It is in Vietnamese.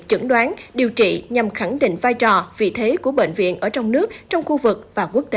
chẩn đoán điều trị nhằm khẳng định vai trò vị thế của bệnh viện ở trong nước trong khu vực và quốc tế